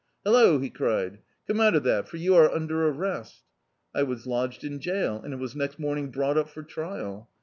'Hallo,' he cried, 'come out of that for you are under arresL' I was lodged in jail, and was next morning brou^t up for trial.